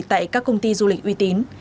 tại các công ty du lịch uy tín